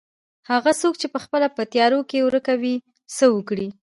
هغه څوک چې پخپله په تيارو کې ورکه وي څه وکړي.